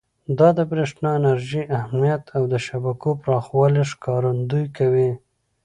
دا د برېښنا انرژۍ اهمیت او د شبکو پراخوالي ښکارندویي کوي.